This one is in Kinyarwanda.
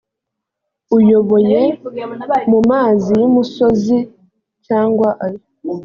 uyoboye mu mazi y imusozi cyangwa ayo